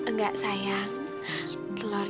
kok gak ada yang makan